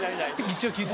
一応。